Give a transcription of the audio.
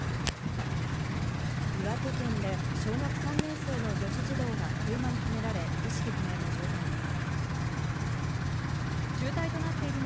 岩手県で小学３年生の女子児童が車にはねられ、意識不明の重体です。